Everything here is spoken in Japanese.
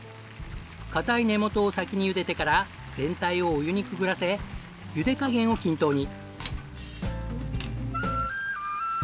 硬い根本を先に茹でてから全体をお湯にくぐらせ茹で加減を均等に。